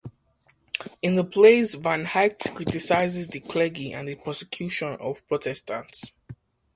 In the plays van Haecht criticises the clergy and the persecution of Protestants.